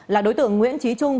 là đối tượng nguyễn trí trung